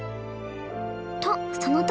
とその時。